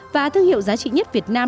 và thương hiệu giá trị nhất việt nam